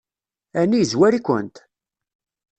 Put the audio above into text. Ɛni yezwar-ikent?